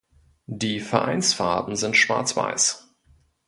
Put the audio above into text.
Die Vereinsfarben sind Schwarz-Weiß.